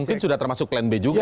mungkin sudah termasuk plan b juga